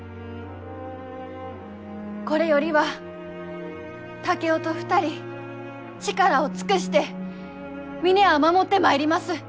これよりは竹雄と２人力を尽くして峰屋を守ってまいります。